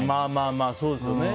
まあ、そうですよね。